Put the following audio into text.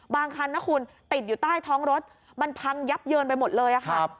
คันนะคุณติดอยู่ใต้ท้องรถมันพังยับเยินไปหมดเลยค่ะ